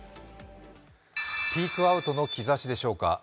ピークアウトの兆しでしょうか。